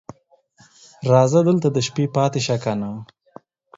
راځه دلته د شپې پاتې شه کنه